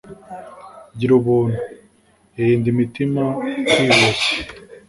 Gira ubuntu irinde imitima kwibeshya